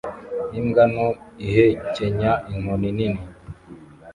Imbwa nto ihekenya inkoni nini